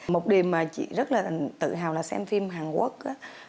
một điều mà chị rất là tự hào là xem phim hàn quốc